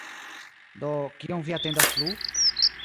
Do, kion vi atendas plu?